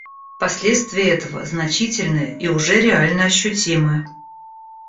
Последствия этого значительны и уже реально ощутимы.